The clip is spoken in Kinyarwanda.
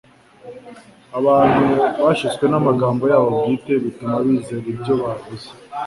Abantu bashutswe n'amagambo yabo bwite bituma bizera ibyo bavuze